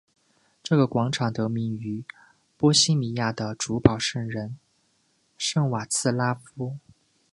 这个广场得名于波希米亚的主保圣人圣瓦茨拉夫。